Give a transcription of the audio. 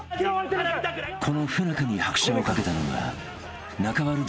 ［この不仲に拍車を掛けたのが］